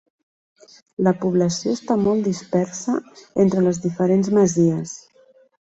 La població està molt dispersa entre les diferents masies.